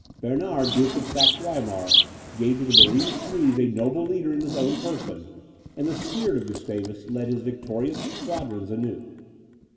Bernard, Duke of Saxe Weimar, gave to the bereaved Swedes a noble leader in his own person; and the spirit of Gustavus led his victorious squadrons anew.